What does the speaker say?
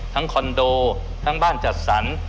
คอนโดทั้งบ้านจัดสรร